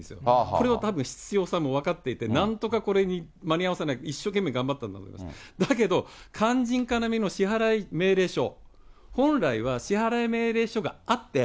これはたぶん室長さんも分かっていて、なんとかこれに間に合わせなきゃって、一生懸命頑張ったんだけど、だけど肝心要の支払命令書、本来は支払い命令書があって、